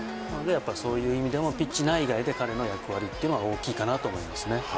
そういう意味でもピッチ内外で彼の役割は大きいと思いますね。